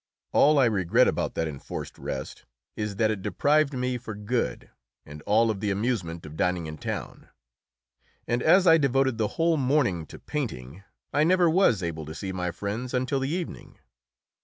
All I regret about that enforced rest is that it deprived me for good and all of the amusement of dining in town, and as I devoted the whole morning to painting I never was able to see my friends until the evening.